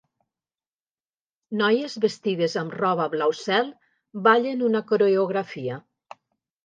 Noies vestides amb roba blau cel ballen una coreografia.